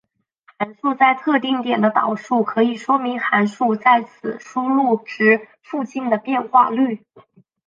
函数在特定点的导数可以说明函数在此输入值附近的变化率。